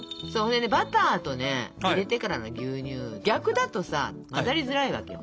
バターとね入れてからの牛乳逆だとさ混ざりづらいわけよ。